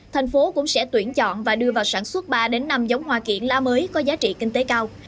thành phố cũng sẽ tuyển chọn và đưa vào sản xuất ba năm giống hoa kiển lá mới có giá trị kinh tế cao